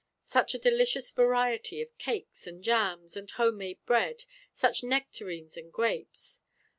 Such a delicious variety of cakes and jams and home made bread, such nectarines and grapes.